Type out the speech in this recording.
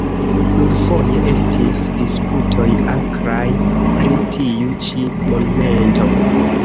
Plurfoje estis disputoj akraj pri tiu ĉi monumento.